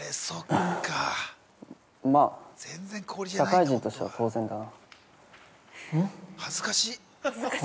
◆まあ、社会人としては当然だな。